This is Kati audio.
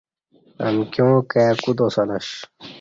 امکیاں کائی کوتا سلش